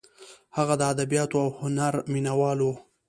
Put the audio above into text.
هغه د ادبیاتو او هنر مینه وال و.